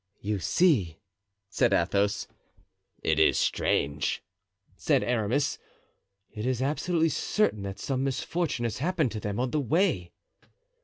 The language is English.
"You see," said Athos. "It is strange," said Aramis. "It is absolutely certain that some misfortune has happened to them on the way."